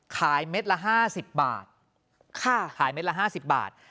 ขายเม็ดละห้าสิบบาทขายเม็ดละห้าสิบบาท